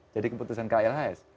jadi keputusan klhs